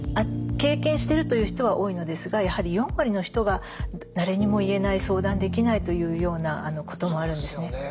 経験してるという人は多いのですがやはり４割の人が誰にも言えない相談できないというようなこともあるんですね。